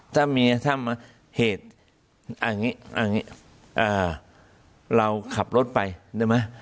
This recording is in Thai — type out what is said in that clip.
ถ้ามีเหตุอย่างนี้เราขับรถไปได้ไหม